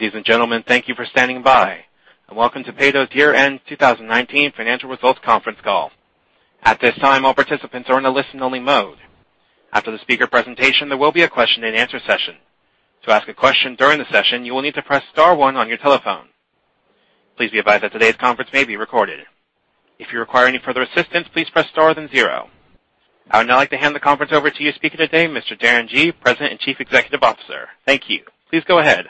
Ladies and gentlemen, thank you for standing by. Welcome to Peyto's Year-end 2019 Financial Results Conference Call. At this time, all participants are in a listen-only mode. After the speaker presentation, there will be a question and answer session. To ask a question during the session, you will need to press star one on your telephone. Please be advised that today's conference may be recorded. If you require any further assistance, please press star then zero. I would now like to hand the conference over to your speaker today, Mr. Darren Gee, President and Chief Executive Officer. Thank you. Please go ahead.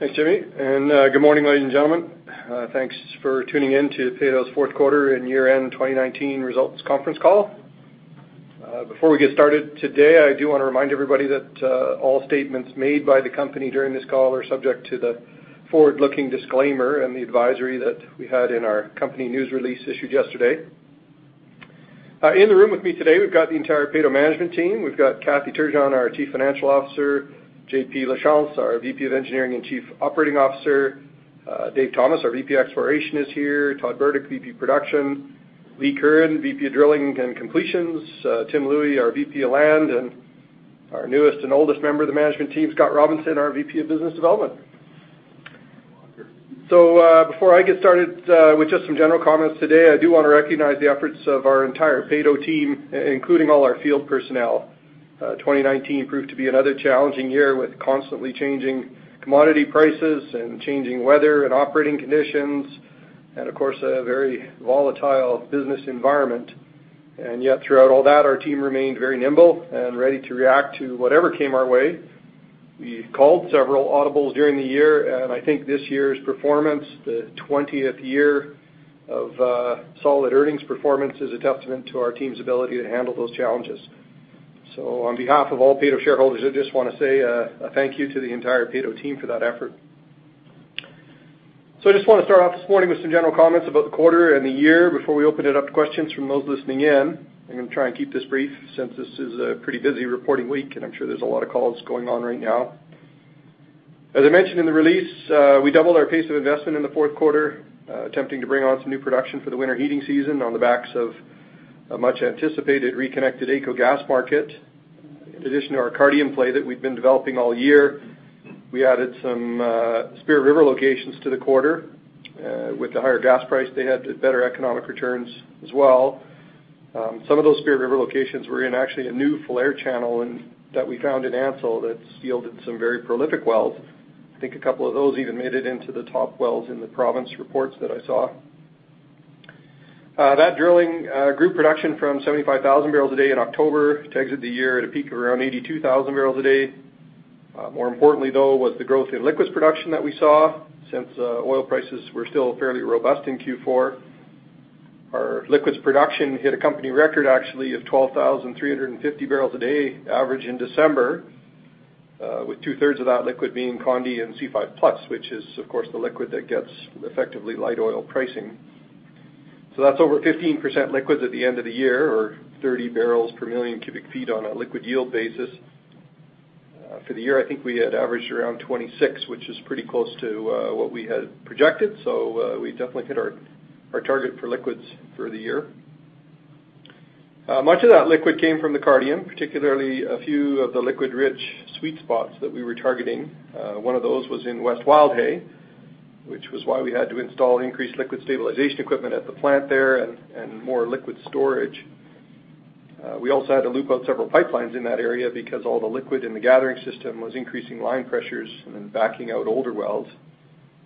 Thanks, Jimmy. Good morning, ladies and gentlemen. Thanks for tuning in to Peyto's fourth quarter and year-end 2019 results conference call. Before we get started today, I do want to remind everybody that all statements made by the company during this call are subject to the forward-looking disclaimer and the advisory that we had in our company news release issued yesterday. In the room with me today, we've got the entire Peyto management team. We've got Kathy Turgeon, our Chief Financial Officer, JP Lachance, our VP of Engineering and Chief Operating Officer, Dave Thomas, our VP Exploration is here, Todd Burdick, VP Production, Lee Curran, VP of Drilling and Completions, Tim Louie, our VP of Land, and our newest and oldest member of the management team, Scott Robinson, our VP of Business Development. Before I get started with just some general comments today, I do want to recognize the efforts of our entire Peyto team, including all our field personnel. 2019 proved to be another challenging year, with constantly changing commodity prices and changing weather and operating conditions, and of course, a very volatile business environment. Yet, throughout all that, our team remained very nimble and ready to react to whatever came our way. We called several audibles during the year, and I think this year's performance, the 20th year of solid earnings performance, is a testament to our team's ability to handle those challenges. On behalf of all Peyto shareholders, I just want to say a thank you to the entire Peyto team for that effort. I just want to start off this morning with some general comments about the quarter and the year before we open it up to questions from those listening in. I'm going to try and keep this brief since this is a pretty busy reporting week, and I'm sure there's a lot of calls going on right now. As I mentioned in the release, we doubled our pace of investment in the fourth quarter, attempting to bring on some new production for the winter heating season on the backs of a much-anticipated reconnected AECO gas market. In addition to our Cardium play that we've been developing all year, we added some Spirit River locations to the quarter. With the higher gas price, they had better economic returns as well. Some of those Spirit River locations were in actually a new fluvial channel that we found in Ansell that's yielded some very prolific wells. I think a couple of those even made it into the top wells in the province reports that I saw. That drilling grew production from 75,000 bbl a day in October to exit the year at a peak of around 82,000 bbl a day. More importantly, though, was the growth in liquids production that we saw since oil prices were still fairly robust in Q4. Our liquids production hit a company record, actually, of 12,350 bbl a day average in December, with two-thirds of that liquid being conde and C5+, which is, of course, the liquid that gets effectively light oil pricing. That's over 15% liquids at the end of the year or 30 B/MMCF on a liquid yield basis. For the year, I think we had averaged around 26 B/MMCF, which is pretty close to what we had projected. We definitely hit our target for liquids for the year. Much of that liquid came from the Cardium, particularly a few of the liquid-rich sweet spots that we were targeting. One of those was in West Wildhay, which was why we had to install increased liquid stabilization equipment at the plant there and more liquid storage. We also had to loop out several pipelines in that area because all the liquid in the gathering system was increasing line pressures and then backing out older wells.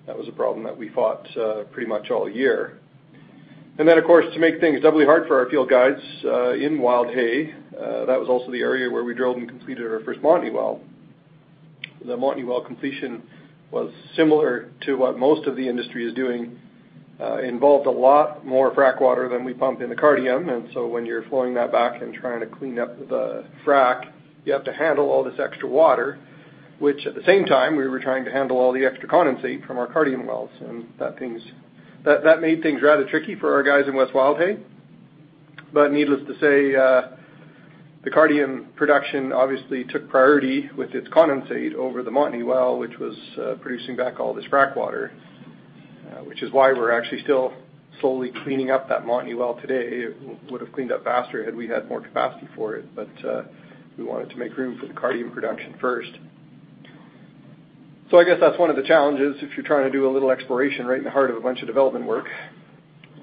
That was a problem that we fought pretty much all year. Of course, to make things doubly hard for our field guides in Wildhay, that was also the area where we drilled and completed our first Montney well. The Montney well completion was similar to what most of the industry is doing. Involved a lot more frack water than we pump in the Cardium, and so when you're flowing that back and trying to clean up the frack, you have to handle all this extra water, which at the same time we were trying to handle all the extra condensate from our Cardium wells, and that made things rather tricky for our guys in West Wildhay. Needless to say, the Cardium production obviously took priority with its condensate over the Montney well, which was producing back all this frack water, which is why we're actually still slowly cleaning up that Montney well today. It would've cleaned up faster had we had more capacity for it. We wanted to make room for the Cardium production first. I guess that's one of the challenges if you're trying to do a little exploration right in the heart of a bunch of development work.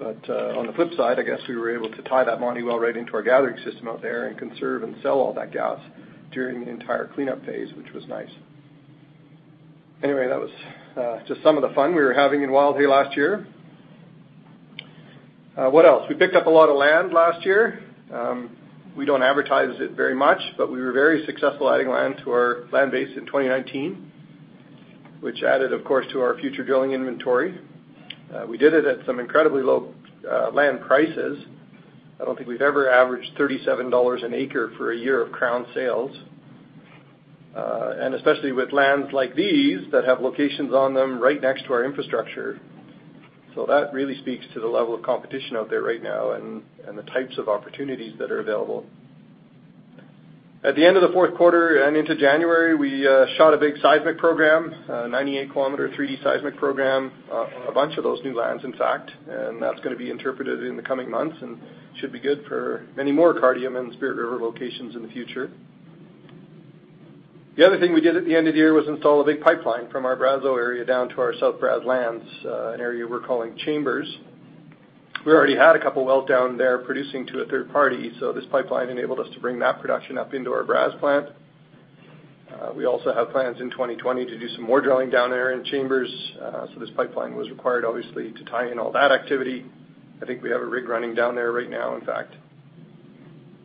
On the flip side, I guess we were able to tie that Montney well right into our gathering system out there and conserve and sell all that gas during the entire cleanup phase, which was nice. Anyway, that was just some of the fun we were having in Wildhay last year. What else? We picked up a lot of land last year. We don't advertise it very much, but we were very successful adding land to our land base in 2019, which added, of course, to our future drilling inventory. We did it at some incredibly low land prices. I don't think we've ever averaged 37 dollars an acre for a year of crown sales, and especially with lands like these that have locations on them right next to our infrastructure. That really speaks to the level of competition out there right now and the types of opportunities that are available. At the end of the fourth quarter and into January, we shot a big seismic program, a 98-km 3D seismic program, a bunch of those new lands, in fact, and that's going to be interpreted in the coming months and should be good for many more Cardium and Spirit River locations in the future. The other thing we did at the end of the year was install a big pipeline from our Brazeau area down to our South Brazeau lands, an area we're calling Chambers. We already had a couple wells down there producing to a third party, this pipeline enabled us to bring that production up into our Brazeau plant. We also have plans in 2020 to do some more drilling down there in chambers, this pipeline was required obviously to tie in all that activity. I think we have a rig running down there right now, in fact.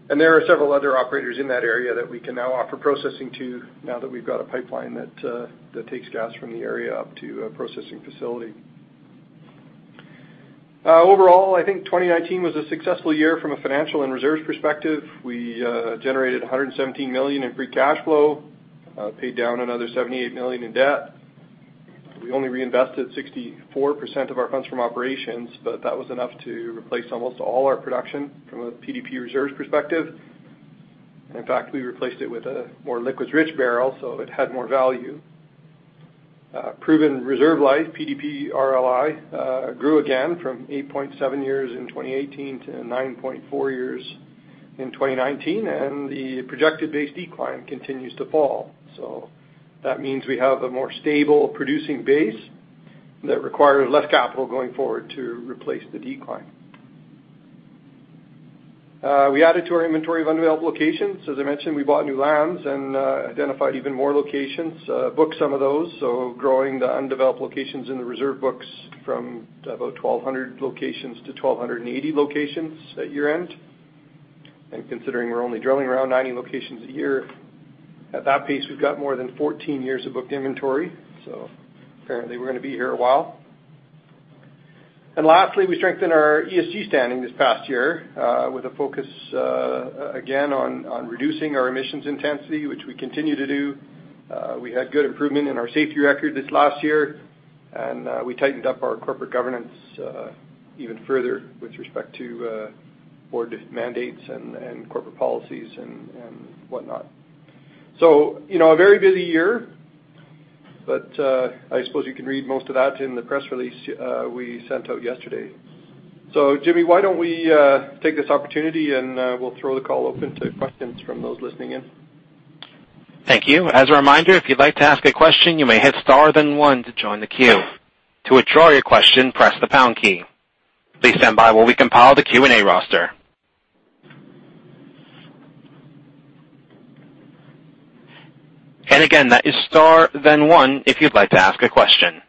There are several other operators in that area that we can now offer processing to now that we've got a pipeline that takes gas from the area up to a processing facility. Overall, I think 2019 was a successful year from a financial and reserves perspective. We generated 117 million in free cash flow, paid down another 78 million in debt. We only reinvested 64% of our funds from operations, but that was enough to replace almost all our production from a PDP reserves perspective. In fact, we replaced it with a more liquids-rich barrel, so it had more value. Proven reserve life, PDP RLI, grew again from 8.7 years in 2018 to 9.4 years in 2019, and the projected base decline continues to fall. That means we have a more stable producing base that requires less capital going forward to replace the decline. We added to our inventory of undeveloped locations. As I mentioned, we bought new lands and identified even more locations, booked some of those, so growing the undeveloped locations in the reserve books from about 1,200 locations to 1,280 locations at year-end. Considering we're only drilling around 90 locations a year, at that pace, we've got more than 14 years of booked inventory. Apparently, we're going to be here a while. Lastly, we strengthened our ESG standing this past year, with a focus, again, on reducing our emissions intensity, which we continue to do. We had good improvement in our safety record this last year, and we tightened up our corporate governance even further with respect to board mandates and corporate policies and whatnot. A very busy year, but I suppose you can read most of that in the press release we sent out yesterday. Jimmy, why don't we take this opportunity, and we'll throw the call open to questions from those listening in. Thank you. As a reminder, if you'd like to ask a question, you may hit star then one to join the queue. To withdraw your question, press the pound key. Please stand by while we compile the Q&A roster. Again, that is star then one if you'd like to ask a question.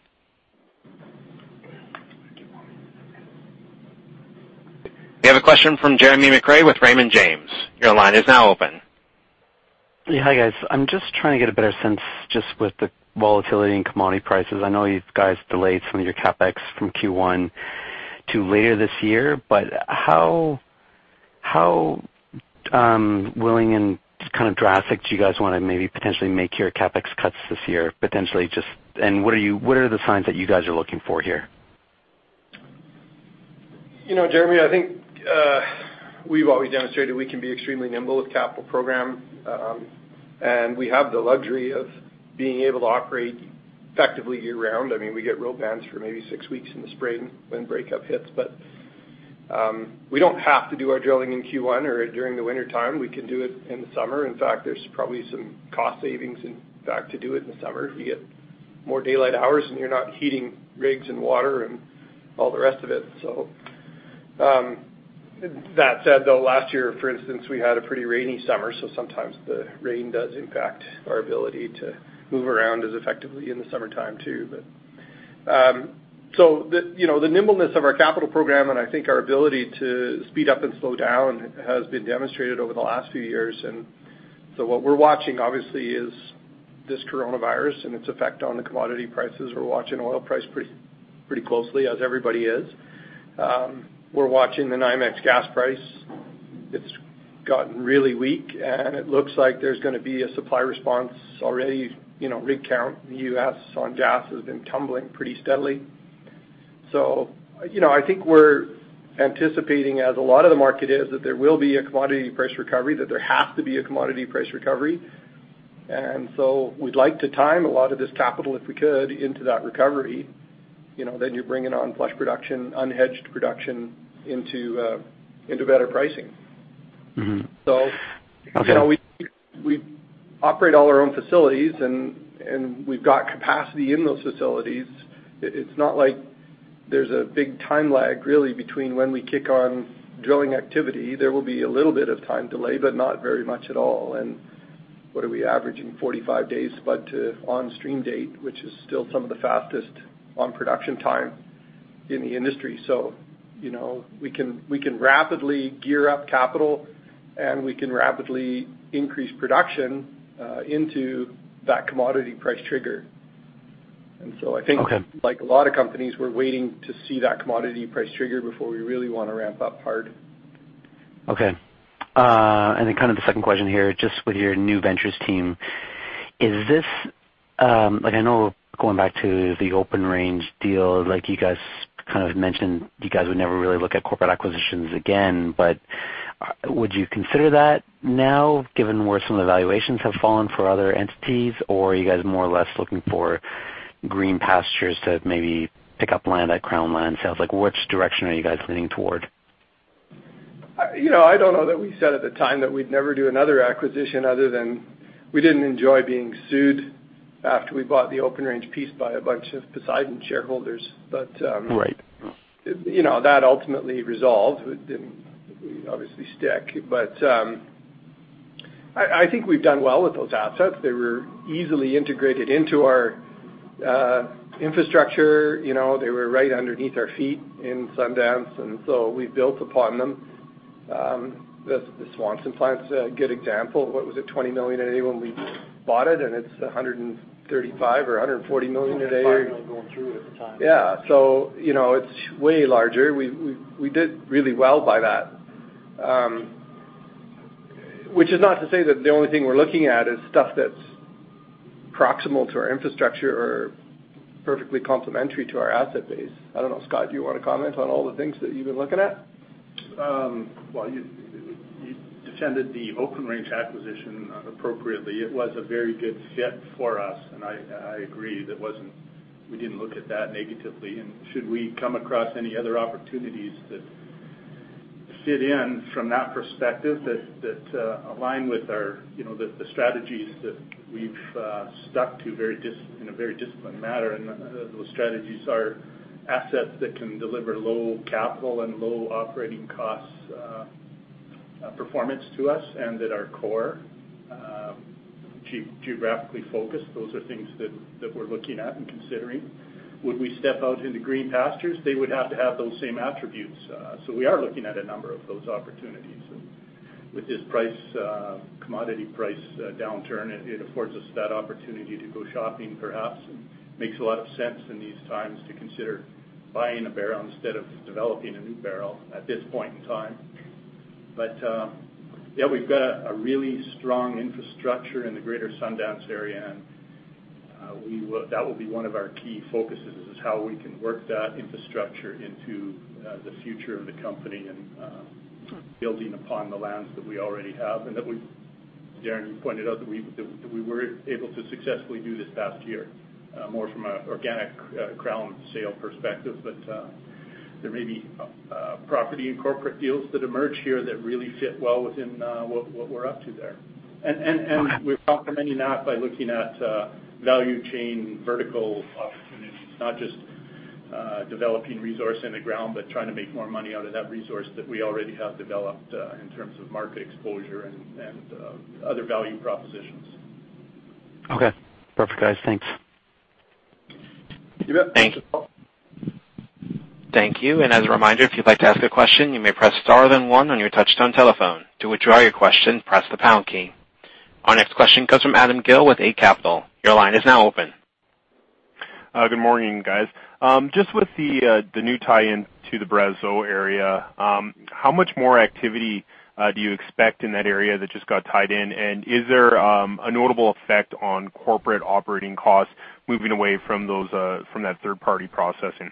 We have a question from Jeremy McCrea with Raymond James. Your line is now open. Yeah. Hi, guys. I'm just trying to get a better sense just with the volatility in commodity prices. I know you guys delayed some of your CapEx from Q1 to later this year, how willing and just kind of drastic do you guys want to maybe potentially make your CapEx cuts this year? What are the signs that you guys are looking for here? Jeremy, I think we've always demonstrated we can be extremely nimble with capital program, and we have the luxury of being able to operate effectively year-round. We get road bans for maybe six weeks in the spring when breakup hits, we don't have to do our drilling in Q1 or during the wintertime. We can do it in the summer. In fact, there's probably some cost savings, in fact, to do it in the summer. You get more daylight hours, you're not heating rigs and water and all the rest of it. That said, though, last year, for instance, we had a pretty rainy summer, sometimes the rain does impact our ability to move around as effectively in the summertime too. The nimbleness of our capital program and I think our ability to speed up and slow down has been demonstrated over the last few years. What we're watching, obviously, is this coronavirus and its effect on the commodity prices. We're watching oil price pretty closely, as everybody is. We're watching the NYMEX gas price. It's gotten really weak, and it looks like there's going to be a supply response. Already, rig count in the U.S. on gas has been tumbling pretty steadily. I think we're anticipating, as a lot of the market is, that there will be a commodity price recovery, that there has to be a commodity price recovery. We'd like to time a lot of this capital, if we could, into that recovery. You're bringing on flush production, unhedged production into better pricing. Okay. We operate all our own facilities, we've got capacity in those facilities. It's not like there's a big time lag, really, between when we kick on drilling activity. There will be a little bit of time delay, but not very much at all. What are we averaging, 45 days, spud to on-stream date, which is still some of the fastest on production time in the industry. We can rapidly gear up capital, and we can rapidly increase production into that commodity price trigger. Okay. Like a lot of companies, we're waiting to see that commodity price trigger before we really want to ramp up hard. Okay. Kind of the second question here, just with your new ventures team. I know going back to the Open Range deal, you guys kind of mentioned you guys would never really look at corporate acquisitions again, but would you consider that now, given where some of the valuations have fallen for other entities? Are you guys more or less looking for green pastures to maybe pick up land at Crown Land sales? Which direction are you guys leaning toward? I don't know that we said at the time that we'd never do another acquisition other than we didn't enjoy being sued after we bought the Open Range piece by a bunch of Poseidon shareholders. Right. That ultimately resolved. It didn't obviously stick. I think we've done well with those assets. They were easily integrated into our infrastructure. They were right underneath our feet in Sundance, and so we built upon them. The Swanson plant's a good example. What was it, 20 million a day when we bought it, and it's 135 million or 140 million a day. 145 million going through at the time. Yeah. It's way larger. We did really well by that. Which is not to say that the only thing we're looking at is stuff that's proximal to our infrastructure or perfectly complementary to our asset base. I don't know, Scott, do you want to comment on all the things that you've been looking at? Well, you defended the Open Range acquisition appropriately. It was a very good fit for us, and I agree that we didn't look at that negatively. Should we come across any other opportunities that fit in from that perspective that align with the strategies that we've stuck to in a very disciplined manner, and those strategies are assets that can deliver low capital and low operating cost performance to us, and that are core, geographically focused. Those are things that we're looking at and considering. Would we step out into green pastures? They would have to have those same attributes. We are looking at a number of those opportunities. With this commodity price downturn, it affords us that opportunity to go shopping, perhaps, and makes a lot of sense in these times to consider buying a barrel instead of developing a new barrel at this point in time. We've got a really strong infrastructure in the greater Sundance area, and that will be one of our key focuses, is how we can work that infrastructure into the future of the company and building upon the lands that we already have. Darren, you pointed out that we were able to successfully do this past year, more from an organic crown sale perspective. There may be property and corporate deals that emerge here that really fit well within what we're up to there. We're complementing that by looking at value chain vertical opportunities, not just developing resource in the ground, but trying to make more money out of that resource that we already have developed in terms of market exposure and other value propositions. Okay. Perfect, guys. Thanks. You bet. Thanks. Thank you. As a reminder, if you'd like to ask a question, you may press star then one on your touch-tone telephone. To withdraw your question, press the pound key. Our next question comes from Adam Gill with Eight Capital. Your line is now open. Good morning, guys. Just with the new tie-in to the Brazeau area, how much more activity do you expect in that area that just got tied in? Is there a notable effect on corporate operating costs moving away from that third-party processing?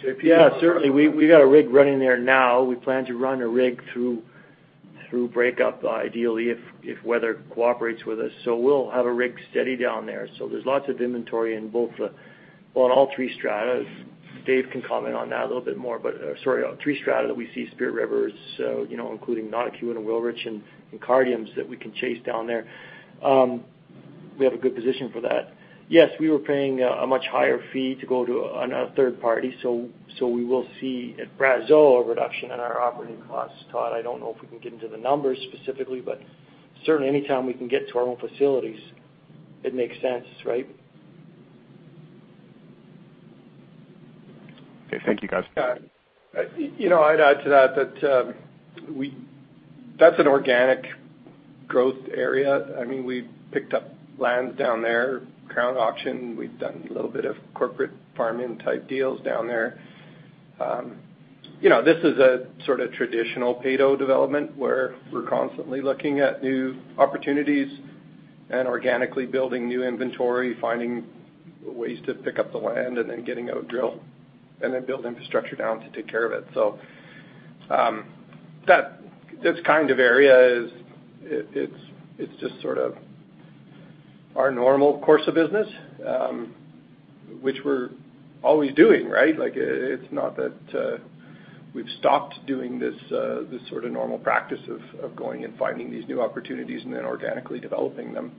Certainly. We got a rig running there now. We plan to run a rig through breakup, ideally, if weather cooperates with us. We'll have a rig steady down there. There's lots of inventory in all three stratas. Dave can comment on that a little bit more, three strata that we see Spirit River, including Notikewin and Wilrich and Cardium that we can chase down there. We have a good position for that. We were paying a much higher fee to go to a third party, we will see at Brazeau a reduction in our operating costs. Todd, I don't know if we can get into the numbers specifically, certainly anytime we can get to our own facilities, it makes sense, right? Okay. Thank you, guys. I'd add to that's an organic growth area. We picked up lands down there, crown auction. We've done a little bit of corporate farm-in type deals down there. This is a sort of traditional Peyto development where we're constantly looking at new opportunities and organically building new inventory, finding ways to pick up the land, and then getting out drill, and then build infrastructure down to take care of it. That kind of area is just sort of our normal course of business, which we're always doing, right? It's not that we've stopped doing this sort of normal practice of going and finding these new opportunities and then organically developing them.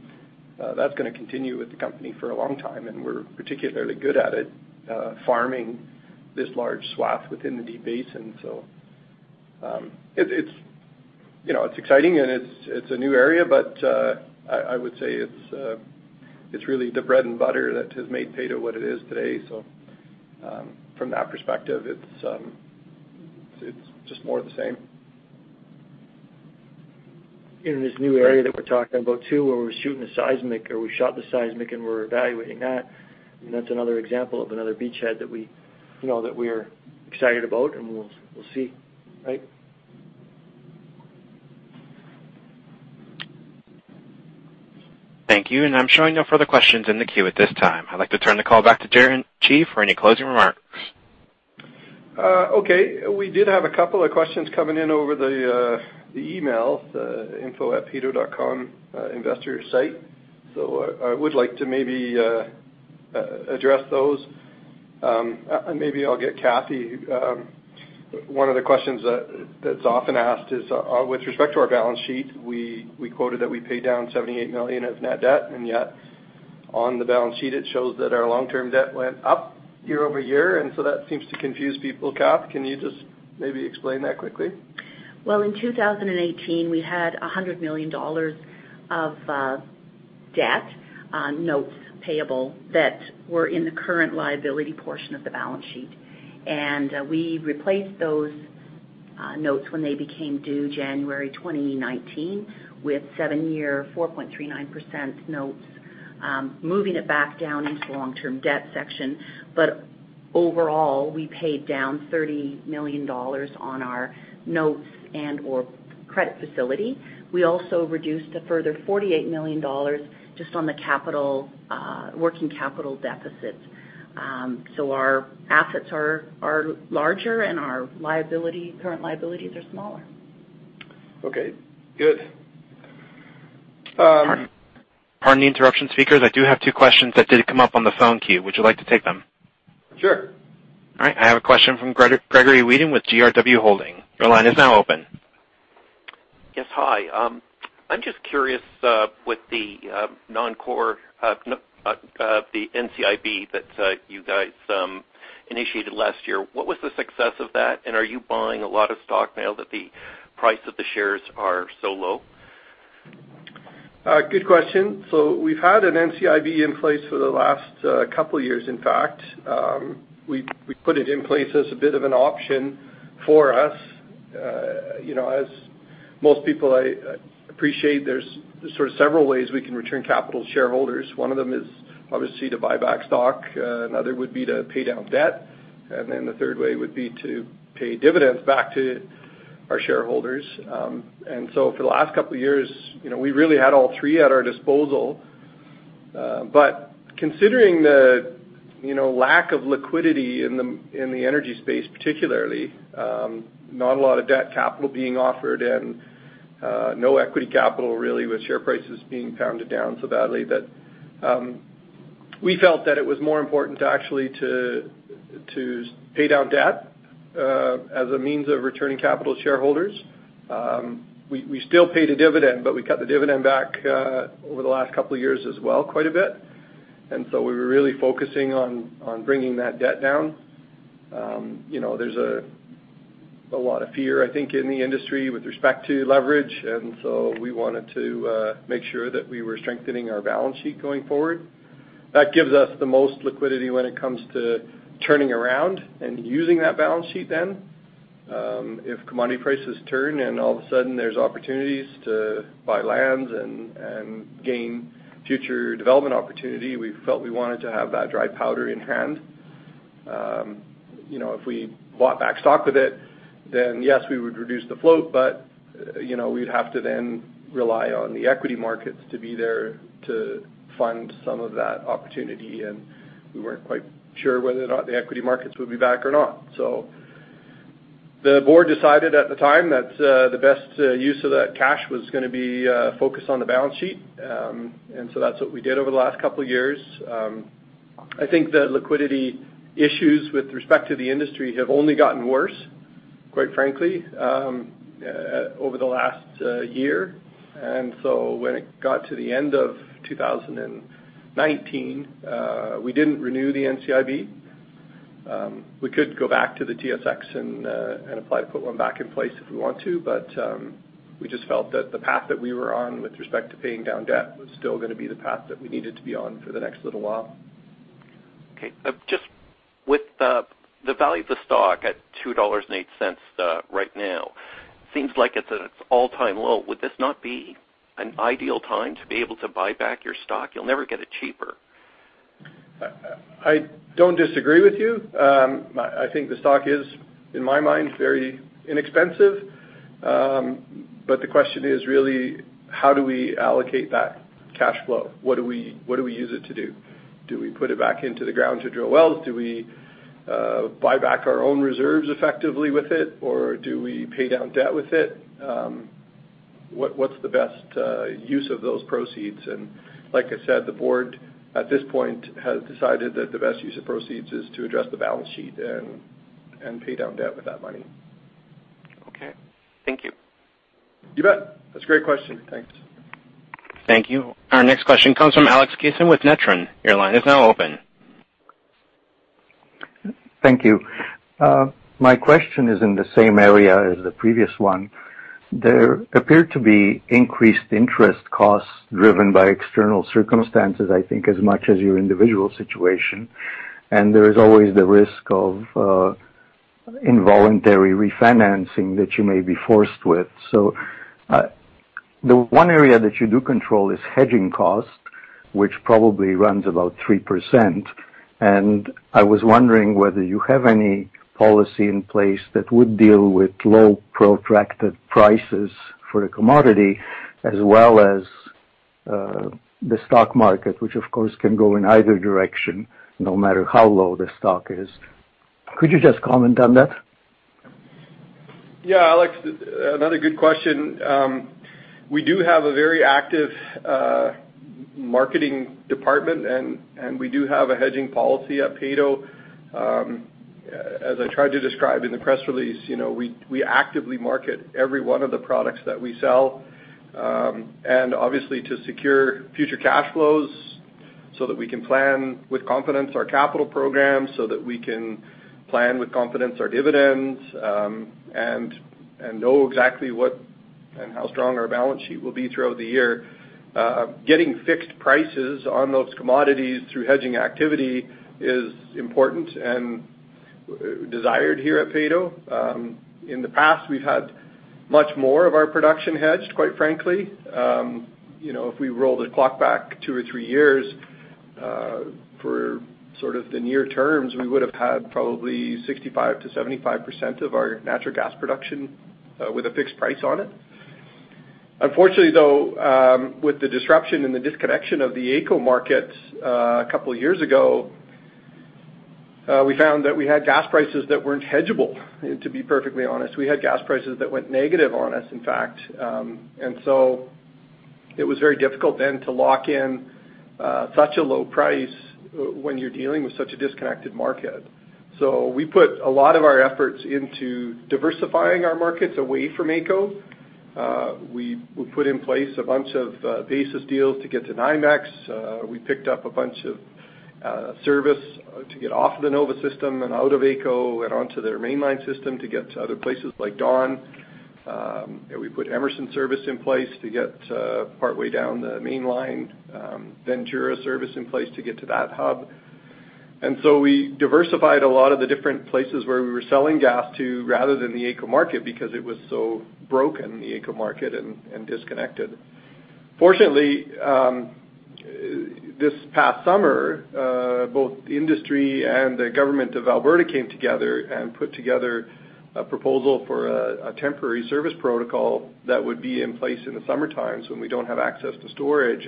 That's going to continue with the company for a long time, and we're particularly good at it farming this large swath within the Deep Basin. It's exciting and it's a new area, but I would say it's really the bread and butter that has made Peyto what it is today. From that perspective, it's just more of the same. In this new area that we're talking about, too, where we're shooting the seismic, or we shot the seismic and we're evaluating that's another example of another beachhead that we're excited about, and we'll see, right? Thank you. I'm showing no further questions in the queue at this time. I'd like to turn the call back to Darren Gee for any closing remarks. Okay. We did have a couple of questions coming in over the email, the info@peyto.com investor site. I would like to maybe address those. Maybe I'll get Kathy. One of the questions that's often asked is with respect to our balance sheet. We quoted that we paid down 78 million of net debt, and yet on the balance sheet, it shows that our long-term debt went up year-over-year, and so that seems to confuse people. Kath, can you just maybe explain that quickly? Well, in 2018, we had 100 million dollars of debt on notes payable that were in the current liability portion of the balance sheet. We replaced those notes when they became due January 2019 with seven-year 4.39% notes, moving it back down into the long-term debt section. Overall, we paid down 30 million dollars on our notes and/or credit facility. We also reduced a further 48 million dollars just on the working capital deficit. Our assets are larger, and our current liabilities are smaller. Okay, good. Pardon the interruption, speakers. I do have two questions that did come up on the phone queue. Would you like to take them? Sure. All right. I have a question from Gregory Weeding with GRW Holding. Your line is now open. Yes, hi. I'm just curious with the NCIB that you guys initiated last year. What was the success of that, are you buying a lot of stock now that the price of the shares are so low? Good question. We've had an NCIB in place for the last couple of years, in fact. We put it in place as a bit of an option for us. As most people, I appreciate there's sort of several ways we can return capital to shareholders. One of them is obviously to buy back stock. Another would be to pay down debt, the third way would be to pay dividends back to our shareholders. For the last couple of years, we really had all three at our disposal. Considering the lack of liquidity in the energy space, particularly, not a lot of debt capital being offered and no equity capital really, with share prices being pounded down so badly, that we felt that it was more important to actually pay down debt as a means of returning capital to shareholders. We still paid a dividend, but we cut the dividend back over the last couple of years as well quite a bit, and so we were really focusing on bringing that debt down. There's a lot of fear, I think, in the industry with respect to leverage, and so we wanted to make sure that we were strengthening our balance sheet going forward. That gives us the most liquidity when it comes to turning around and using that balance sheet then. If commodity prices turn and all of a sudden there's opportunities to buy lands and gain future development opportunity, we felt we wanted to have that dry powder in hand. If we bought back stock with it, then yes, we would reduce the float, but we'd have to then rely on the equity markets to be there to fund some of that opportunity, and we weren't quite sure whether or not the equity markets would be back or not. The board decided at the time that the best use of that cash was going to be focused on the balance sheet, and so that's what we did over the last couple of years. I think the liquidity issues with respect to the industry have only gotten worse, quite frankly, over the last year. When it got to the end of 2019, we didn't renew the NCIB. We could go back to the TSX and apply to put one back in place if we want to, but we just felt that the path that we were on with respect to paying down debt was still going to be the path that we needed to be on for the next little while. Okay. Just with the value of the stock at 2.08 dollars right now, seems like it's at its all-time low. Would this not be an ideal time to be able to buy back your stock? You'll never get it cheaper. I don't disagree with you. I think the stock is, in my mind, very inexpensive. The question is really how do we allocate that cash flow? What do we use it to do? Do we put it back into the ground to drill wells? Do we buy back our own reserves effectively with it, or do we pay down debt with it? What's the best use of those proceeds? Like I said, the board at this point has decided that the best use of proceeds is to address the balance sheet and pay down debt with that money. Okay. Thank you. You bet. That's a great question. Thanks. Thank you. Our next question comes from Alex Kason with Netrin. Your line is now open. Thank you. My question is in the same area as the previous one. There appeared to be increased interest costs driven by external circumstances, I think, as much as your individual situation, and there is always the risk of involuntary refinancing that you may be forced with. The one area that you do control is hedging cost, which probably runs about 3%. I was wondering whether you have any policy in place that would deal with low protracted prices for a commodity as well as the stock market, which of course can go in either direction no matter how low the stock is. Could you just comment on that? Yeah, Alex, another good question. We do have a very active marketing department, and we do have a hedging policy at Peyto. Obviously to secure future cash flows so that we can plan with confidence our capital programs, so that we can plan with confidence our dividends, and know exactly what and how strong our balance sheet will be throughout the year. Getting fixed prices on those commodities through hedging activity is important and desired here at Peyto. In the past, we've had much more of our production hedged, quite frankly. If we roll the clock back two or three years for sort of the near terms, we would've had probably 65%-75% of our natural gas production with a fixed price on it. Unfortunately, though, with the disruption and the disconnection of the AECO market a couple of years ago, we found that we had gas prices that weren't hedgeable, to be perfectly honest. We had gas prices that went negative on us, in fact. It was very difficult then to lock in such a low price when you're dealing with such a disconnected market. We put a lot of our efforts into diversifying our markets away from AECO. We put in place a bunch of basis deals to get to NYMEX. We picked up a bunch of service to get off of the NOVA system and out of AECO and onto their mainline system to get to other places like Dawn. We put Emerson service in place to get partway down the mainline, Ventura service in place to get to that hub. We diversified a lot of the different places where we were selling gas to rather than the AECO market, because it was so broken, the AECO market, and disconnected. Fortunately, this past summer, both the industry and the Government of Alberta came together and put together a proposal for a temporary service protocol that would be in place in the summer times when we don't have access to storage.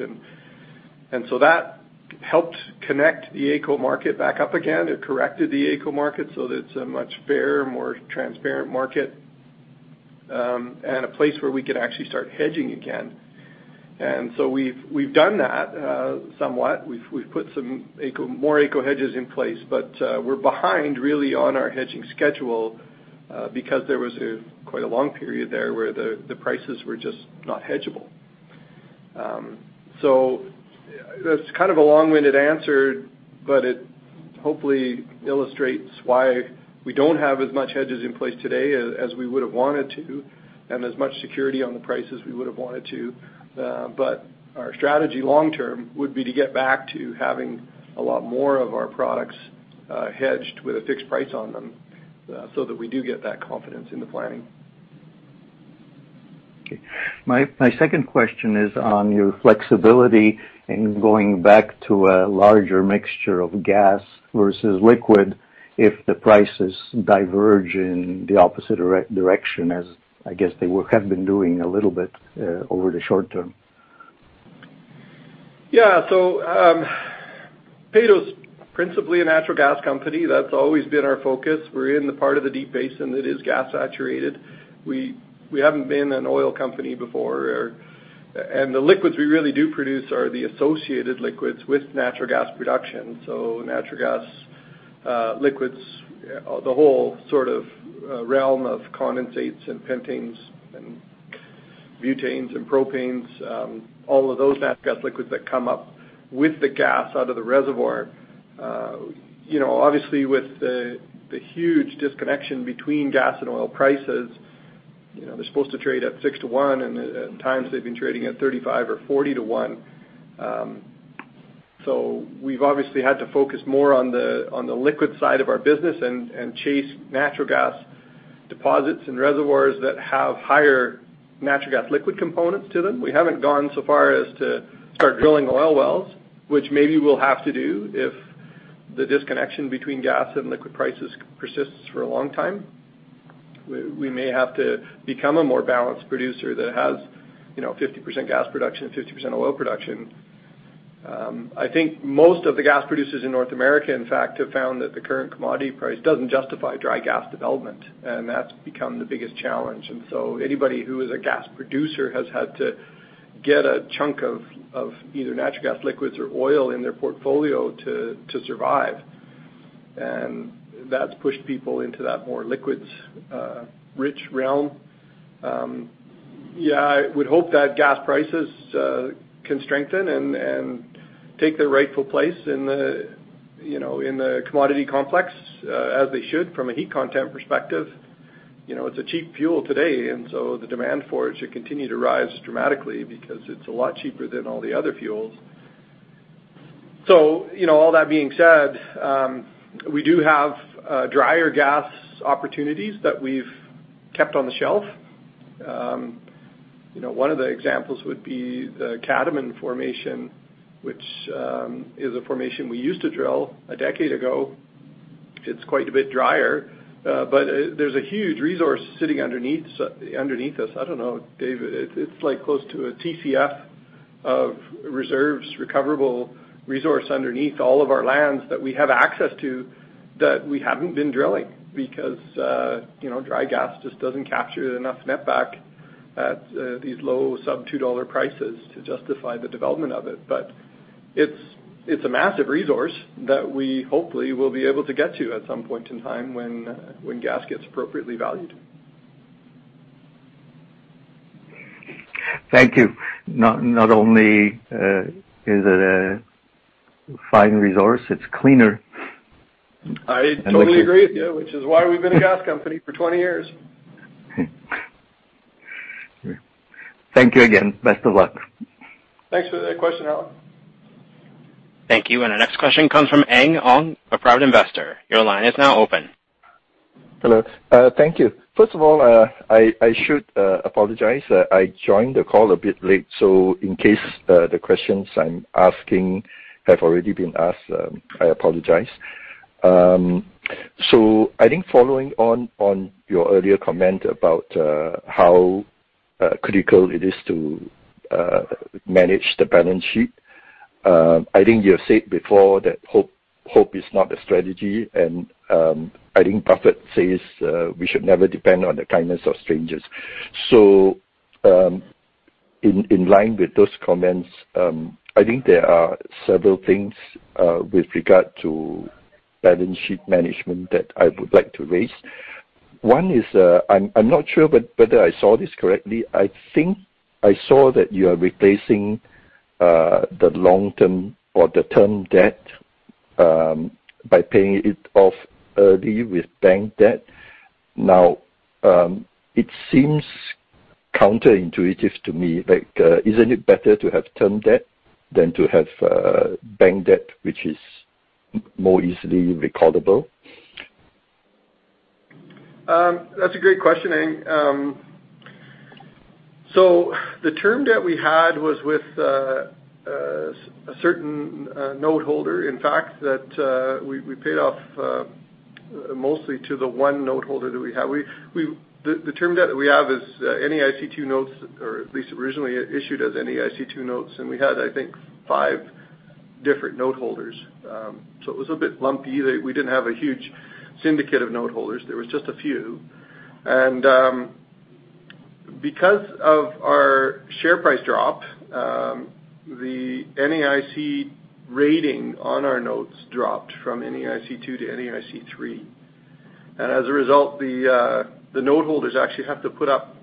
That helped connect the AECO market back up again. It corrected the AECO market so that it's a much fairer, more transparent market, and a place where we could actually start hedging again. We've done that somewhat. We've put some more AECO hedges in place, but we're behind really on our hedging schedule, because there was a quite a long period there where the prices were just not hedgeable. That's kind of a long-winded answer, but it hopefully illustrates why we don't have as much hedges in place today as we would've wanted to, and as much security on the prices we would've wanted to. Our strategy long term would be to get back to having a lot more of our products hedged with a fixed price on them, so that we do get that confidence in the planning. Okay. My second question is on your flexibility in going back to a larger mixture of gas versus liquid if the prices diverge in the opposite direction as, I guess, they have been doing a little bit over the short term. Peyto's principally a natural gas company. That's always been our focus. We're in the part of the deep basin that is gas-saturated. We haven't been an oil company before. The liquids we really do produce are the associated liquids with natural gas production, so natural gas liquids, the whole sort of realm of condensates and pentanes and butanes and propanes, all of those natural gas liquids that come up with the gas out of the reservoir. Obviously with the huge disconnection between gas and oil prices, they're supposed to trade at 6:1, and at times they've been trading at 35:1 or 4:1. We've obviously had to focus more on the liquid side of our business and chase natural gas deposits and reservoirs that have higher natural gas liquid components to them. We haven't gone so far as to start drilling oil wells, which maybe we'll have to do if the disconnection between gas and liquid prices persists for a long time. We may have to become a more balanced producer that has 50% gas production and 50% oil production. I think most of the gas producers in North America, in fact, have found that the current commodity price doesn't justify dry gas development, and that's become the biggest challenge. Anybody who is a gas producer has had to get a chunk of either natural gas liquids or oil in their portfolio to survive. That's pushed people into that more liquids-rich realm. Yeah, I would hope that gas prices can strengthen and take their rightful place in the commodity complex, as they should from a heat content perspective. It's a cheap fuel today. The demand for it should continue to rise dramatically because it's a lot cheaper than all the other fuels. All that being said, we do have drier gas opportunities that we've kept on the shelf. One of the examples would be the Cadomin Formation, which is a formation we used to drill a decade ago. It's quite a bit drier. There's a huge resource sitting underneath us. I don't know, Dave, it's close to a TCF of reserves recoverable resource underneath all of our lands that we have access to, that we haven't been drilling because dry gas just doesn't capture enough net back at these low sub-CAD 2 prices to justify the development of it. It's a massive resource that we hopefully will be able to get to at some point in time when gas gets appropriately valued. Thank you. Not only is it a fine resource, it's cleaner. I totally agree with you, which is why we've been a gas company for 20 years. Thank you again. Best of luck. Thanks for that question, Alex. Thank you. Our next question comes from Ang Ong of Private Investor. Your line is now open. Hello. Thank you. First of all, I should apologize, I joined the call a bit late. In case the questions I'm asking have already been asked, I apologize. I think following on your earlier comment about how critical it is to manage the balance sheet, I think you have said before that hope is not a strategy, and I think Buffett says we should never depend on the kindness of strangers. In line with those comments, I think there are several things with regard to balance sheet management that I would like to raise. One is, I'm not sure whether I saw this correctly, I think I saw that you are replacing the long-term or the term debt by paying it off early with bank debt. It seems counterintuitive to me, like isn't it better to have term debt than to have bank debt, which is more easily recallable? That's a great question, Ang. The term debt we had was with a certain note holder, in fact, that we paid off mostly to the one note holder that we have. The term debt that we have is NAIC 2 notes, or at least originally issued as NAIC 2 notes, and we had, I think, five different note holders. It was a bit lumpy. We didn't have a huge syndicate of note holders. There was just a few. Because of our share price drop, the NAIC rating on our notes dropped from NAIC 2 to NAIC 3. As a result, the note holders actually have to put up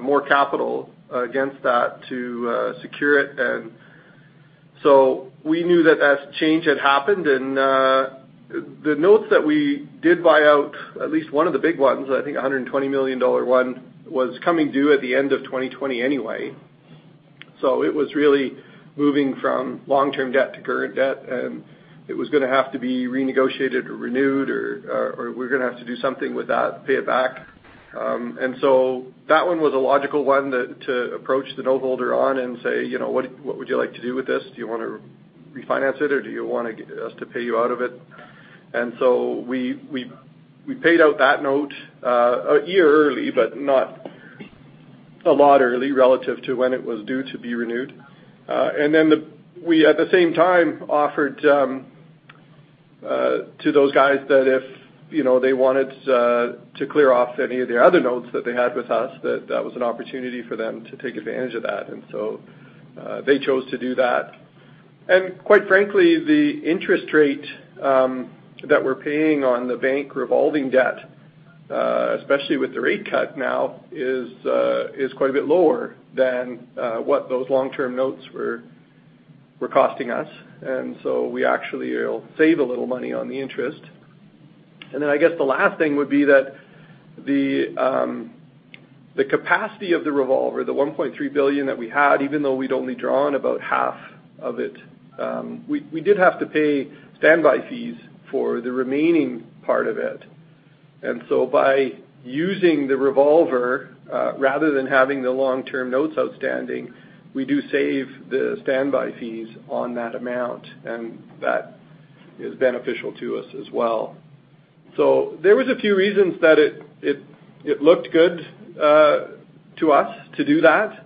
more capital against that to secure it. We knew that that change had happened, and the notes that we did buy out, at least one of the big ones, I think 120 million dollar one, was coming due at the end of 2020 anyway. It was really moving from long-term debt to current debt, and it was going to have to be renegotiated or renewed or we were going to have to do something with that, pay it back. That one was a logical one to approach the note holder on and say, "What would you like to do with this? Do you want to refinance it or do you want us to pay you out of it?" We paid out that note a year early, but not a lot early relative to when it was due to be renewed. We, at the same time, offered to those guys that if they wanted to clear off any of the other notes that they had with us, that that was an opportunity for them to take advantage of that. They chose to do that. Quite frankly, the interest rate that we're paying on the bank revolving debt, especially with the rate cut now, is quite a bit lower than what those long-term notes were costing us, and so we actually will save a little money on the interest. I guess the last thing would be that the capacity of the revolver, the 1.3 billion that we had, even though we'd only drawn about half of it, we did have to pay standby fees for the remaining part of it. By using the revolver, rather than having the long-term notes outstanding, we do save the standby fees on that amount, and that is beneficial to us as well. There was a few reasons that it looked good to us to do that.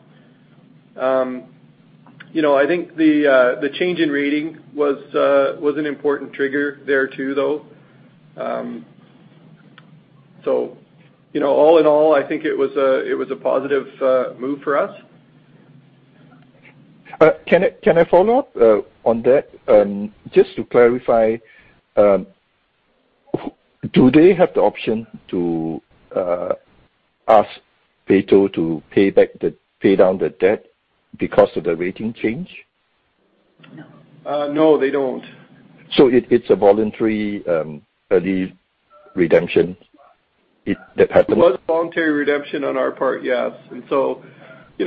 I think the change in rating was an important trigger there too, though. All in all, I think it was a positive move for us. Can I follow up on that? Just to clarify, do they have the option to ask Peyto to pay down the debt because of the rating change? No, they don't. It's a voluntary early redemption that happened? It was voluntary redemption on our part, yes. We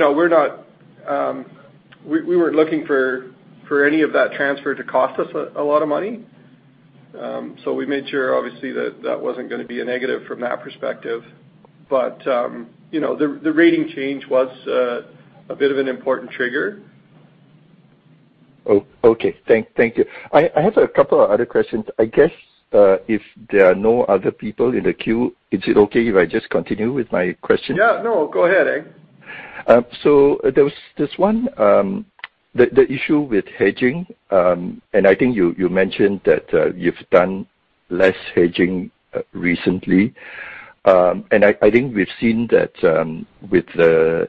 weren't looking for any of that transfer to cost us a lot of money. We made sure, obviously, that that wasn't going to be a negative from that perspective. The rating change was a bit of an important trigger. Oh, okay. Thank you. I have a couple of other questions. I guess, if there are no other people in the queue, is it okay if I just continue with my question? Yeah, no, go ahead, Ang. There was this one, the issue with hedging, and I think you mentioned that you've done less hedging recently. I think we've seen that with the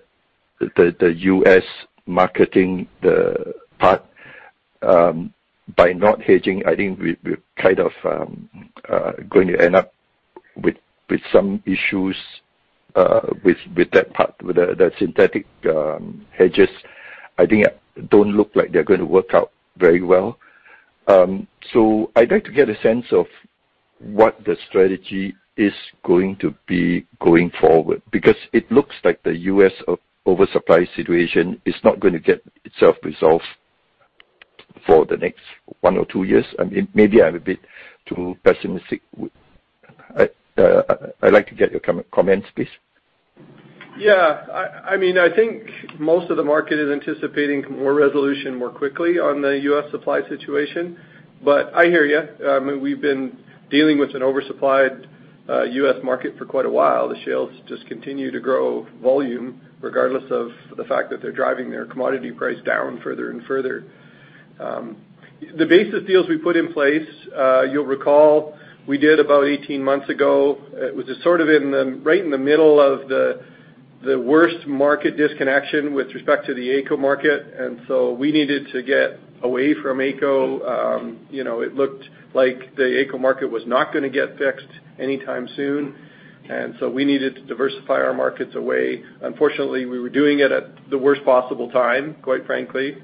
U.S. marketing the part by not hedging, I think we're kind of going to end up with some issues with that part, with the synthetic hedges. I think it don't look like they're going to work out very well. I'd like to get a sense of what the strategy is going to be going forward, because it looks like the U.S. oversupply situation is not going to get itself resolved for the next one or two years. Maybe I'm a bit too pessimistic. I'd like to get your comments, please. Yeah. I think most of the market is anticipating more resolution more quickly on the U.S. supply situation, but I hear you. We've been dealing with an oversupplied U.S. market for quite a while. The shales just continue to grow volume regardless of the fact that they're driving their commodity price down further and further. The basis deals we put in place, you'll recall, we did about 18 months ago. It was sort of right in the middle of the worst market disconnection with respect to the AECO market. We needed to get away from AECO. It looked like the AECO market was not going to get fixed anytime soon. We needed to diversify our markets away. Unfortunately, we were doing it at the worst possible time, quite frankly.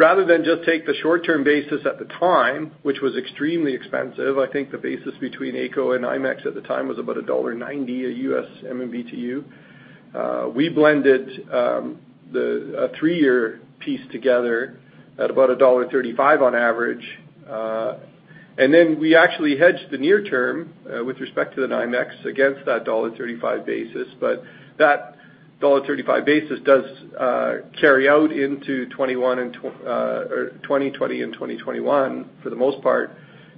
Rather than just take the short-term basis at the time, which was extremely expensive, I think the basis between AECO and NYMEX at the time was about $1.90 a US MMBtu. We blended a three-year piece together at about $1.35 on average. Then we actually hedged the near term, with respect to the NYMEX, against that $1.35 basis. That $1.35 basis does carry out into 2020 and 2021 for the most part.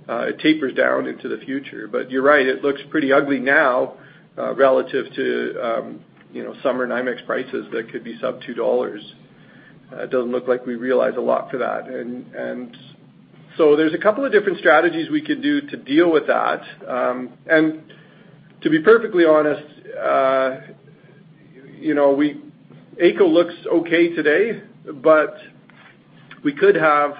It tapers down into the future. You're right, it looks pretty ugly now, relative to summer NYMEX prices that could be sub $2. It doesn't look like we realize a lot for that. There's a couple of different strategies we could do to deal with that. To be perfectly honest, AECO looks okay today, but we could have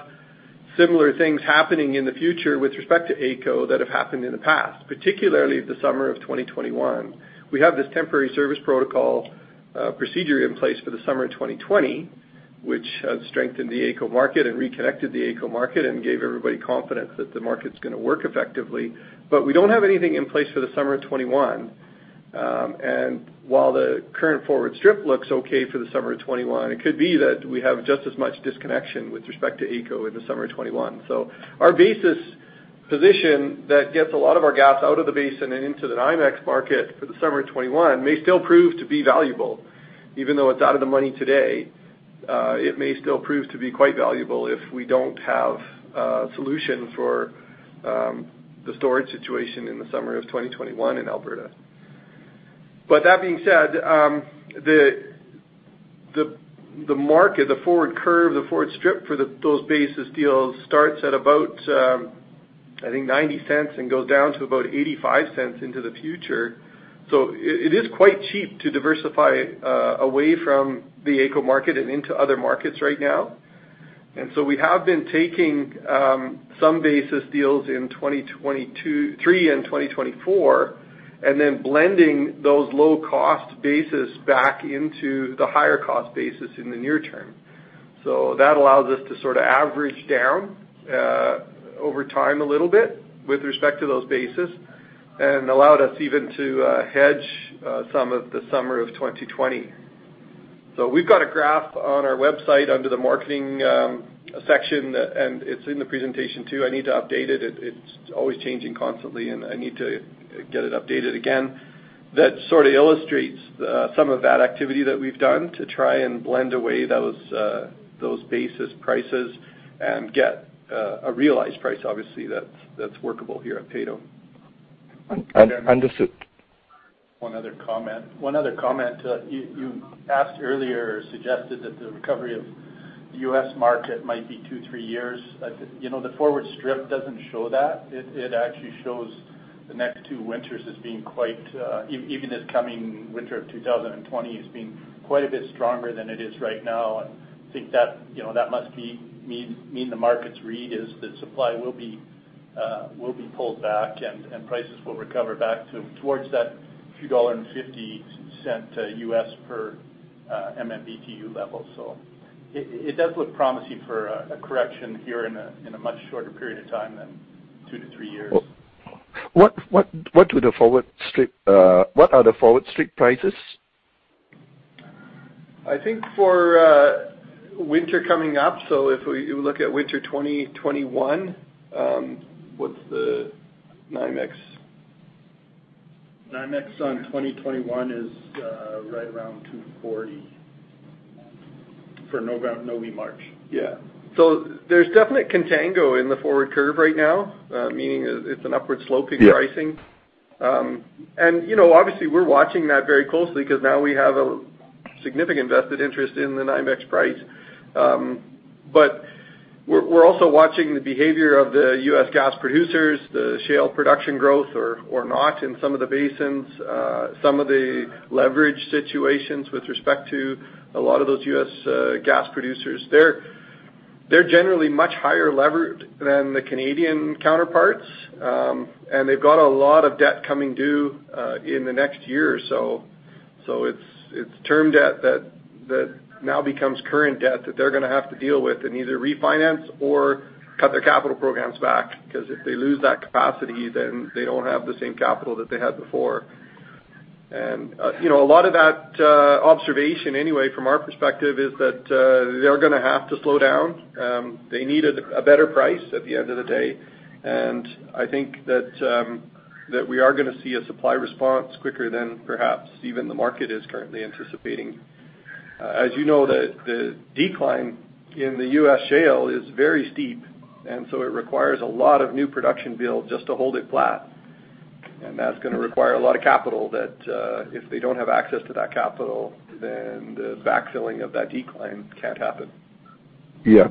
similar things happening in the future with respect to AECO that have happened in the past, particularly the summer of 2021. We have this temporary service protocol procedure in place for the summer of 2020, which has strengthened the AECO market and reconnected the AECO market and gave everybody confidence that the market's going to work effectively. We don't have anything in place for the summer of 2021. While the current forward strip looks okay for the summer of 2021, it could be that we have just as much disconnection with respect to AECO in the summer of 2021. Our basis position that gets a lot of our gas out of the basin and into the NYMEX market for the summer of 2021 may still prove to be valuable. Even though it's out of the money today, it may still prove to be quite valuable if we don't have a solution for the storage situation in the summer of 2021 in Alberta. That being said, the market, the forward curve, the forward strip for those basis deals starts at about, I think, 0.90 and goes down to about 0.85 into the future. It is quite cheap to diversify away from the AECO market and into other markets right now. We have been taking some basis deals in 2023 and 2024, and then blending those low-cost basis back into the higher-cost basis in the near term. That allows us to sort of average down over time a little bit with respect to those basis and allowed us even to hedge some of the summer of 2020. We've got a graph on our website under the marketing section, and it's in the presentation, too. I need to update it. It's always changing constantly, and I need to get it updated again. That sort of illustrates some of that activity that we've done to try and blend away those basis prices and get a realized price, obviously, that's workable here at Peyto. Understood. One other comment. You asked earlier or suggested that the recovery of the U.S. market might be two, three years. The forward strip doesn't show that. It actually shows the next two winters as being quite Even this coming winter of 2020 as being quite a bit stronger than it is right now. I think that must mean the market's read is that supply will be pulled back and prices will recover back towards that $2.50 per MMBtu level. It does look promising for a correction here in a much shorter period of time than two to three years. What are the forward strip prices? I think for winter coming up, if you look at winter 2021, what's the NYMEX? NYMEX on 2021 is right around 240. For early March. Yeah. There's definite contango in the forward curve right now, meaning it's an upward sloping pricing. Yeah. Obviously we're watching that very closely because now we have a significant vested interest in the NYMEX price. We're also watching the behavior of the U.S. gas producers, the shale production growth or not in some of the basins, some of the leverage situations with respect to a lot of those U.S. gas producers. They're generally much higher levered than the Canadian counterparts, and they've got a lot of debt coming due in the next year or so. It's term debt that now becomes current debt that they're going to have to deal with and either refinance or cut their capital programs back, because if they lose that capacity, then they don't have the same capital that they had before. A lot of that observation anyway, from our perspective, is that they're going to have to slow down. They need a better price at the end of the day. I think that we are going to see a supply response quicker than perhaps even the market is currently anticipating. As you know, the decline in the U.S. shale is very steep, it requires a lot of new production build just to hold it flat. That's going to require a lot of capital that, if they don't have access to that capital, then the backfilling of that decline can't happen. Yeah.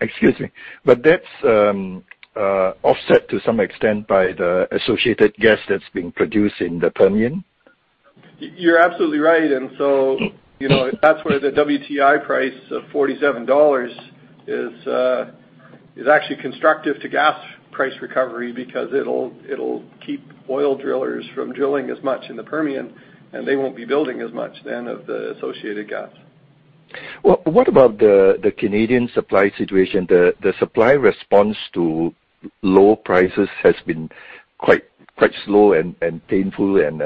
Excuse me. That's offset to some extent by the associated gas that's being produced in the Permian? You're absolutely right. That's where the WTI price of 47 dollars is actually constructive to gas price recovery because it'll keep oil drillers from drilling as much in the Permian, and they won't be building as much then of the associated gas. What about the Canadian supply situation? The supply response to low prices has been quite slow and painful and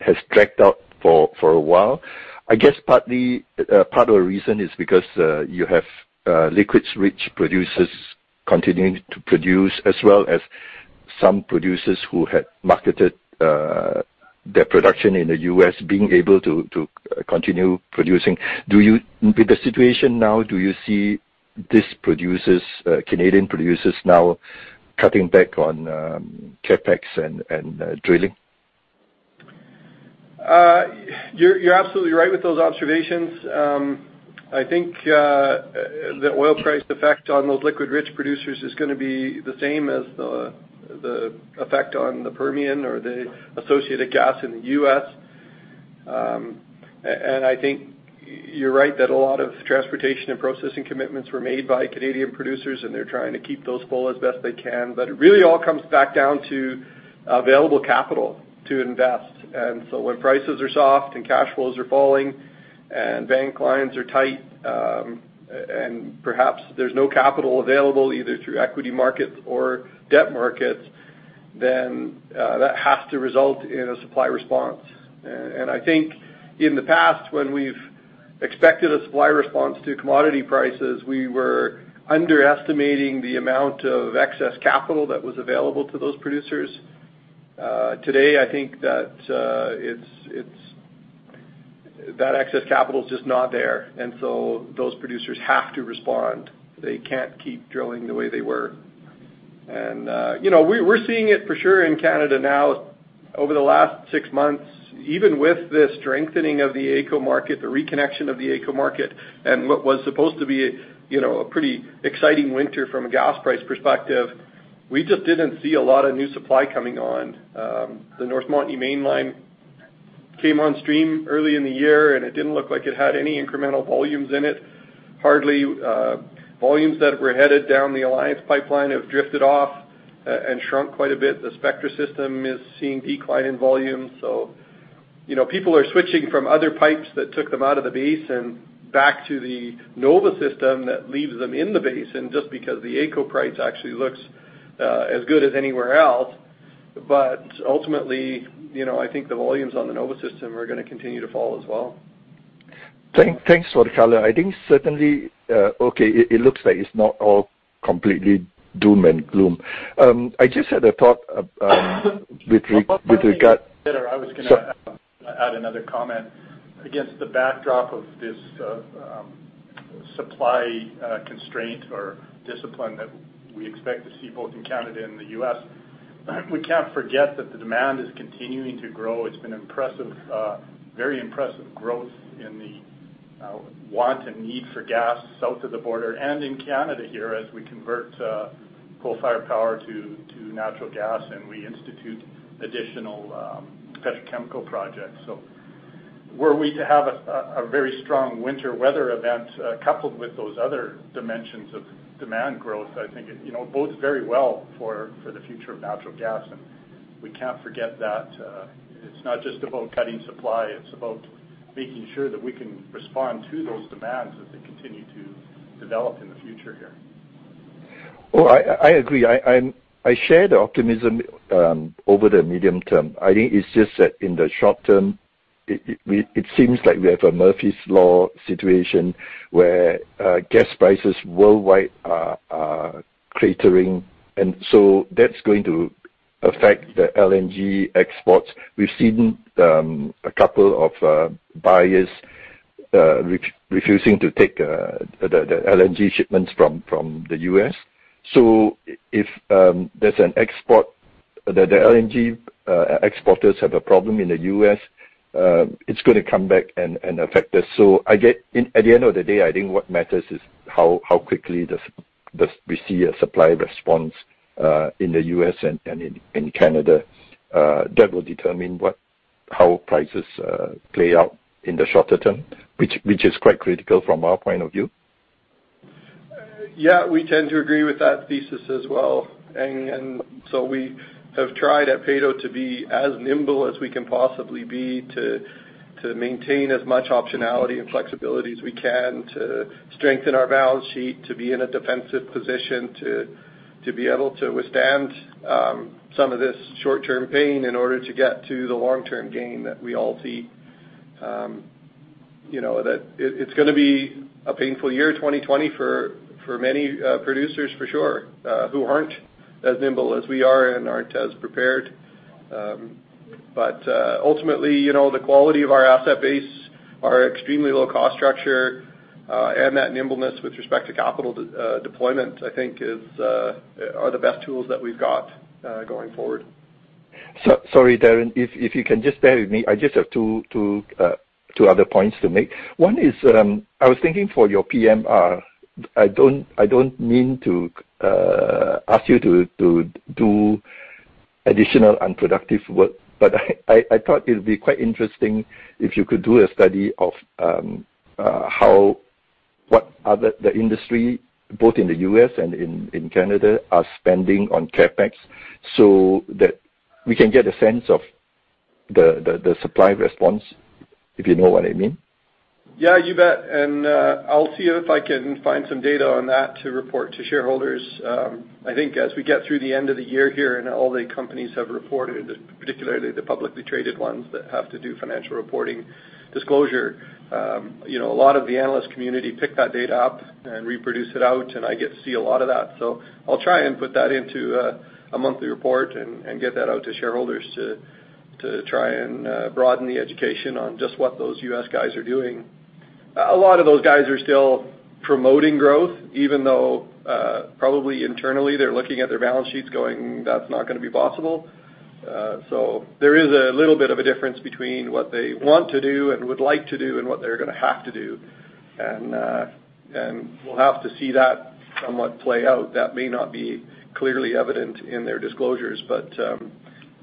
has dragged out for a while. I guess part of the reason is because you have liquids-rich producers continuing to produce, as well as some producers who had marketed their production in the U.S. being able to continue producing. With the situation now, do you see these Canadian producers now cutting back on CapEx and drilling? You're absolutely right with those observations. I think the oil price effect on those liquid-rich producers is going to be the same as the effect on the Permian or the associated gas in the U.S. I think you're right that a lot of transportation and processing commitments were made by Canadian producers, and they're trying to keep those full as best they can. It really all comes back down to available capital to invest. When prices are soft and cash flows are falling and bank lines are tight, and perhaps there's no capital available, either through equity markets or debt markets, then that has to result in a supply response. I think in the past, when we've expected a supply response to commodity prices, we were underestimating the amount of excess capital that was available to those producers. Today, I think that excess capital is just not there. Those producers have to respond. They can't keep drilling the way they were. We're seeing it for sure in Canada now over the last six months, even with the strengthening of the AECO market, the reconnection of the AECO market, and what was supposed to be a pretty exciting winter from a gas price perspective, we just didn't see a lot of new supply coming on. The North Montney main line came on stream early in the year, and it didn't look like it had any incremental volumes in it, hardly. Volumes that were headed down the Alliance Pipeline have drifted off and shrunk quite a bit. The Spectra system is seeing decline in volume. People are switching from other pipes that took them out of the basin back to the NOVA system that leaves them in the basin just because the AECO price actually looks as good as anywhere else. Ultimately, I think the volumes on the NOVA system are going to continue to fall as well. Thanks for the color. I think certainly, okay, it looks like it's not all completely doom and gloom. I just had a thought. I was going to add another comment. Against the backdrop of this supply constraint or discipline that we expect to see both in Canada and the U.S., we can't forget that the demand is continuing to grow. It's been very impressive growth in the want and need for gas south of the border and in Canada here as we convert coal-fired power to natural gas and we institute additional petrochemical projects. Were we to have a very strong winter weather event coupled with those other dimensions of demand growth, I think it bodes very well for the future of natural gas, and we can't forget that. It's not just about cutting supply, it's about making sure that we can respond to those demands as they continue to develop in the future here. Oh, I agree. I share the optimism over the medium term. I think it's just that in the short term it seems like we have a Murphy's Law situation where gas prices worldwide are cratering, and so that's going to affect the LNG exports. We've seen a couple of buyers refusing to take the LNG shipments from the U.S. If the LNG exporters have a problem in the U.S., it's going to come back and affect us. At the end of the day, I think what matters is how quickly we see a supply response in the U.S. and in Canada. That will determine how prices play out in the shorter term, which is quite critical from our point of view. Yeah, we tend to agree with that thesis as well. We have tried at Peyto to be as nimble as we can possibly be to maintain as much optionality and flexibility as we can to strengthen our balance sheet, to be in a defensive position, to be able to withstand some of this short-term pain in order to get to the long-term gain that we all see. It's going to be a painful year, 2020, for many producers for sure, who aren't as nimble as we are and aren't as prepared. Ultimately, the quality of our asset base, our extremely low cost structure, and that nimbleness with respect to capital deployment, I think, are the best tools that we've got going forward. Sorry, Darren, if you can just bear with me, I just have two other points to make. One is, I was thinking for your PMR, I don't mean to ask you to do additional unproductive work, but I thought it'd be quite interesting if you could do a study of what the industry, both in the U.S. and in Canada, are spending on CapEx so that we can get a sense of the supply response, if you know what I mean. Yeah, you bet. I'll see if I can find some data on that to report to shareholders. I think as we get through the end of the year here and all the companies have reported, particularly the publicly traded ones that have to do financial reporting disclosure. A lot of the analyst community pick that data up and reproduce it out, and I get to see a lot of that. I'll try and put that into a monthly report and get that out to shareholders to try and broaden the education on just what those U.S. guys are doing. A lot of those guys are still promoting growth, even though probably internally, they're looking at their balance sheets going, "That's not going to be possible." There is a little bit of a difference between what they want to do and would like to do and what they're going to have to do. We'll have to see that somewhat play out. That may not be clearly evident in their disclosures, but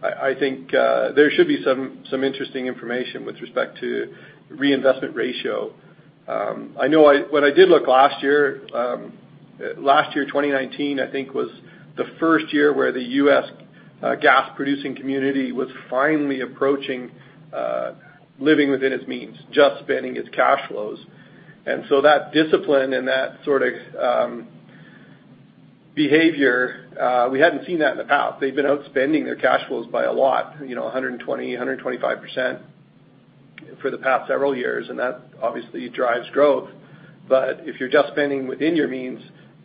I think there should be some interesting information with respect to reinvestment ratio. When I did look last year, 2019, I think was the first year where the U.S. gas-producing community was finally approaching living within its means, just spending its cash flows. That discipline and that sort of behavior, we hadn't seen that in the past. They've been outspending their cash flows by a lot, 120%, 125% for the past several years, and that obviously drives growth. If you're just spending within your means,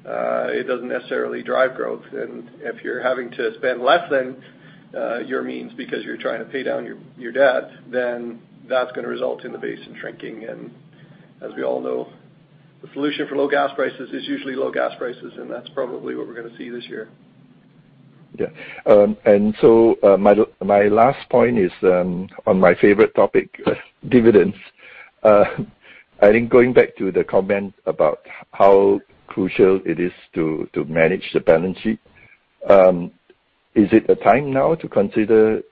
it doesn't necessarily drive growth. If you're having to spend less than your means because you're trying to pay down your debt, then that's going to result in the basin shrinking and as we all know, the solution for low gas prices is usually low gas prices, and that's probably what we're going to see this year. Yeah. My last point is on my favorite topic, dividends. I think going back to the comment about how crucial it is to manage the balance sheet, is it a time now to consider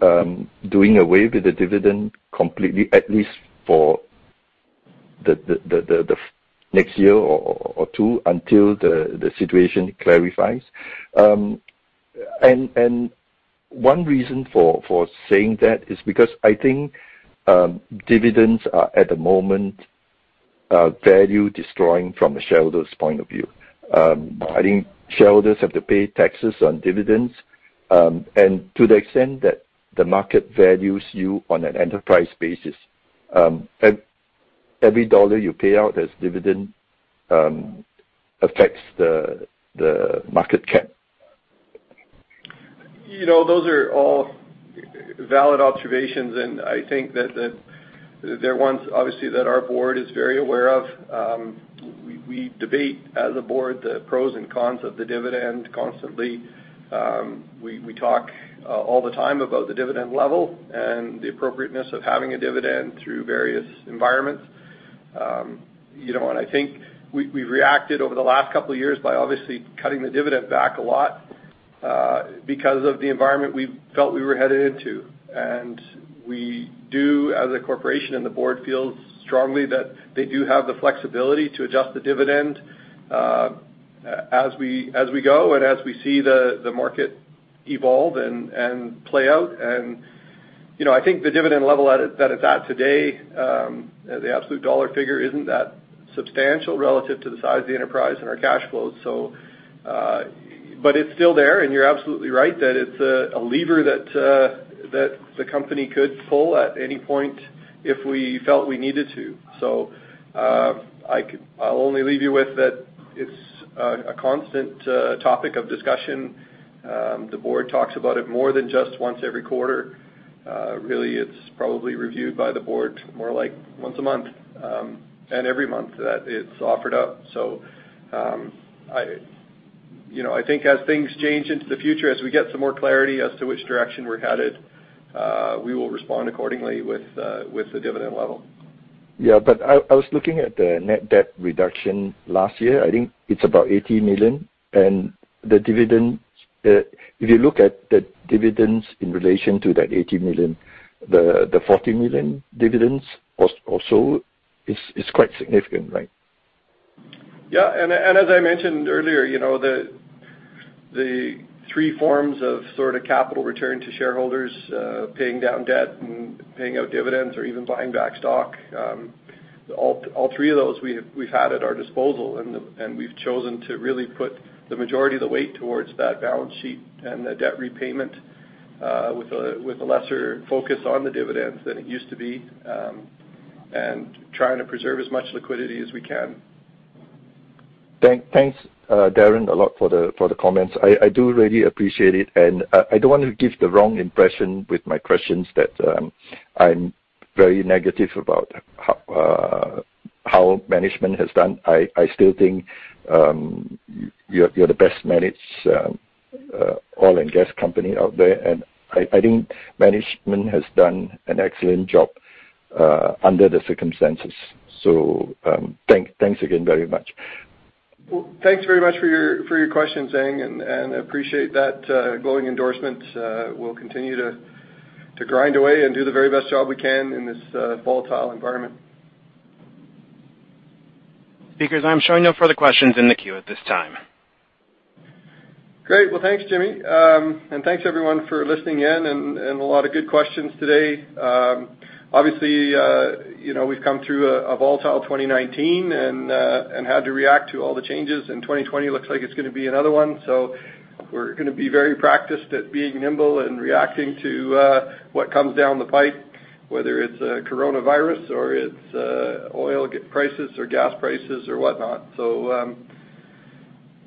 doing away with the dividend completely, at least for the next year or two until the situation clarifies? One reason for saying that is because I think dividends are, at the moment, value-destroying from a shareholder's point of view. I think shareholders have to pay taxes on dividends, and to the extent that the market values you on an enterprise basis, every dollar you pay out as dividend affects the market cap. Those are all valid observations. I think that they're ones obviously that our board is very aware of. We debate as a board the pros and cons of the dividend constantly. We talk all the time about the dividend level and the appropriateness of having a dividend through various environments. I think we've reacted over the last couple of years by obviously cutting the dividend back a lot because of the environment we felt we were headed into. We do as a corporation and the board feels strongly that they do have the flexibility to adjust the dividend as we go and as we see the market evolve and play out. I think the dividend level that it's at today, the absolute dollar figure isn't that substantial relative to the size of the enterprise and our cash flows. It's still there, and you're absolutely right that it's a lever that the company could pull at any point if we felt we needed to. I'll only leave you with that it's a constant topic of discussion. The board talks about it more than just once every quarter. Really, it's probably reviewed by the board more like once a month. Every month that it's offered up. I think as things change into the future, as we get some more clarity as to which direction we're headed, we will respond accordingly with the dividend level. Yeah. I was looking at the net debt reduction last year. I think it's about 80 million. If you look at the dividends in relation to that 80 million, the 40 million dividends also is quite significant, right? Yeah. As I mentioned earlier, the three forms of sort of capital return to shareholders, paying down debt and paying out dividends or even buying back stock, all three of those we've had at our disposal, and we've chosen to really put the majority of the weight towards that balance sheet and the debt repayment, with a lesser focus on the dividends than it used to be, and trying to preserve as much liquidity as we can. Thanks, Darren, a lot for the comments. I do really appreciate it. I don't want to give the wrong impression with my questions that I'm very negative about how management has done. I still think you're the best-managed oil and gas company out there. I think management has done an excellent job under the circumstances. Thanks again very much. Well, thanks very much for your question, Ang, and appreciate that glowing endorsement. We'll continue to grind away and do the very best job we can in this volatile environment. Speakers, I'm showing no further questions in the queue at this time. Great. Well, thanks, Jimmy. Thanks, everyone, for listening in, and a lot of good questions today. Obviously, we've come through a volatile 2019 and had to react to all the changes. 2020 looks like it's going to be another one, so we're going to be very practiced at being nimble and reacting to what comes down the pipe, whether it's coronavirus or it's oil prices or gas prices or whatnot.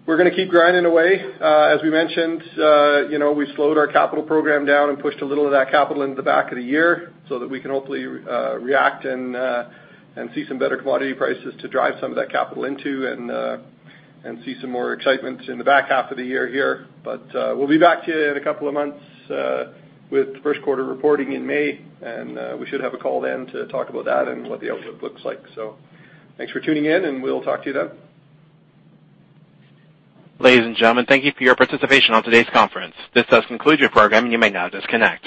We're going to keep grinding away. As we mentioned, we slowed our capital program down and pushed a little of that capital into the back of the year so that we can hopefully react and see some better commodity prices to drive some of that capital into, and see some more excitement in the back half of the year here. We'll be back to you in a couple of months with the first quarter reporting in May, and we should have a call then to talk about that and what the outlook looks like. Thanks for tuning in, and we'll talk to you then. Ladies and gentlemen, thank you for your participation on today's conference. This does conclude your program. You may now disconnect.